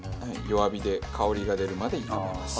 弱火で香りが出るまで炒めます。